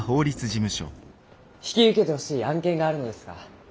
引き受けてほしい案件があるのですが。